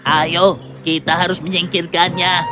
ayo kita harus menyingkirkannya